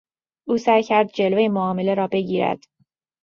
او سعی کرد جلو معامله را بگیرد.